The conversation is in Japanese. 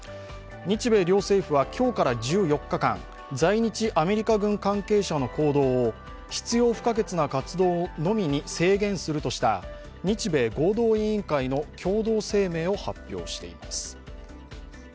日米両政府は今日から１４日間、在日アメリカ軍関係者の行動を必要不可欠な活動のみに制限するとした日米合同委員会の共同声明を発表しています。